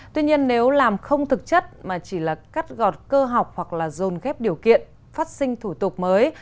tuy nhiên nếu làm không thực chất mà chỉ là cắt gọt cơ học hoặc là dồn ghép điều kiện phát sinh thủ tục mới